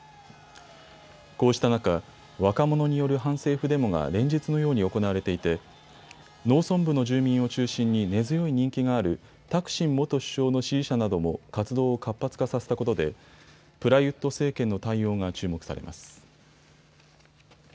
こうした中、若者による反政府デモが連日のように行われていて農村部の住民を中心に根強い人気があるタクシン元首相の支持者なども活動を活発化させたことでプラユット政権の対応が注目されます。